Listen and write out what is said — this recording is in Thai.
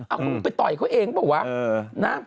เอ้าไปต่อยเขาเองเปล่าวะ